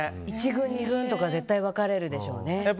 １軍２軍とか絶対分かれるでしょうね。